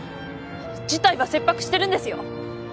事態は切迫してるんですよ